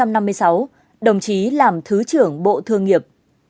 năm một nghìn chín trăm năm mươi sáu đồng chí làm thứ trưởng bộ thương nghiệp